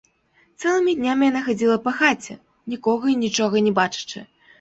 Цэлымі днямі яна хадзіла па хаце, нікога і нічога не бачачы.